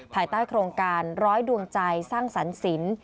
ภายใต้โครงการร้อยดวงใจสร้างสรรสิน